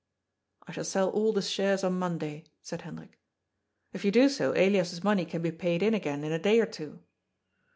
" I shall sell all the shares on Monday," said Hendrik. " If you do so, Elias's money can be paid in again in a day or two."